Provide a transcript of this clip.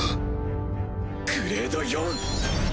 グレード４！